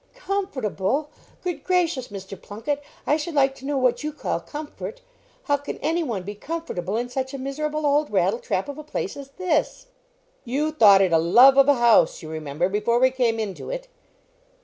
"Comfortable! Good gracious, Mr. Plunket, I should like to know what you call comfort. How can any one be comfortable in such a miserable old rattletrap of a place as this?" "You thought it a love of a house, you remember, before we came into it."